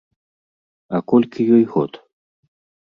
А колькі ёй год?